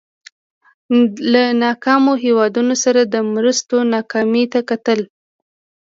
له ناکامو هېوادونو سره د مرستو ناکامۍ ته کتل.